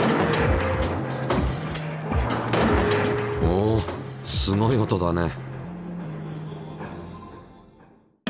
おすごい音だね。